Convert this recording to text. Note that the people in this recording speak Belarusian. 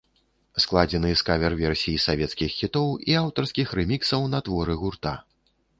Складзены з кавер-версій савецкіх хітоў і аўтарскіх рэміксаў на творы гурта.